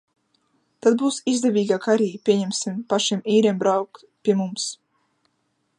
Tad būs izdevīgāk arī, pieņemsim, pašiem īriem braukt pie mums.